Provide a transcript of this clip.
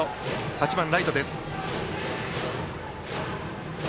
８番ライトです。